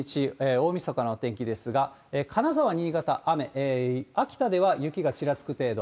大みそかのお天気ですが、金沢、新潟、雨、秋田では雪がちらつく程度。